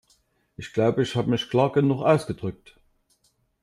Ich glaube, ich habe mich klar genug ausgedrückt.